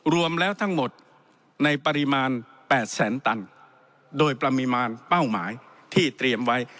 รวมแล้วทั้งหมดในปริมาณ๘แสนตันโดยประมาณเป้าหมายที่เตรียมไว้